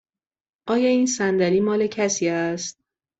آیا این صندلی مال کسی است؟